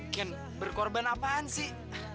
ken berkorban apaan sih